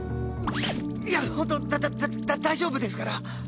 いや本当だだだ大丈夫ですから。